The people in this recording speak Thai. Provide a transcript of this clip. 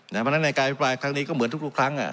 มาด้านในการเรียนบล่ายทางนี้ก็เหมือนทุกครั้ง